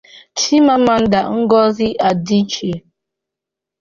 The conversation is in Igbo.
Chimamanda Ngọzị Adịchie